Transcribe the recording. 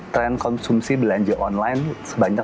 tren konsumsi belanja online sebanyak tiga puluh